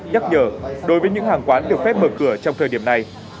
nhắc nhở đối với những hàng quán được phép mở cửa trong thời điểm này